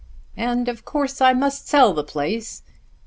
"And of course I must sell the place.